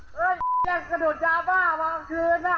เฮ้ยอย่างกระโดดจาบ้าบางคืนอ่ะ